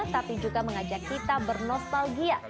tapi juga mengajak kita bernostalgia